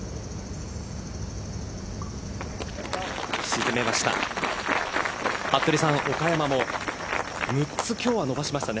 沈めました。